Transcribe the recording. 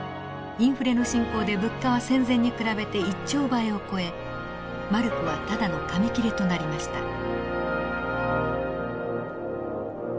インフレの進行で物価は戦前に比べて１兆倍を超えマルクはただの紙切れとなりました。